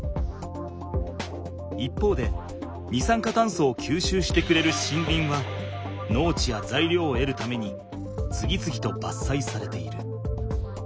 一方で二酸化炭素を吸収してくれる森林は農地やざいりょうをえるために次々とばっさいされている。